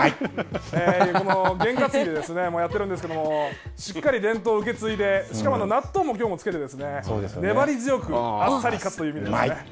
この験担ぎでやっているんですけれどもしっかり伝統を受け継いでしかも納豆もきょうはつけて粘り強くあっさり勝つという意味ですね。